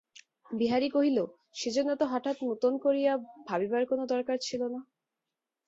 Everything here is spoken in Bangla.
বিহারী কহিল, সেজন্য তো হঠাৎ নূতন করিয়া ভাবিবার কোনো দরকার ছিল না।